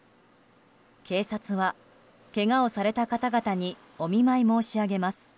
警察は、けがをされた方々にお見舞い申し上げます。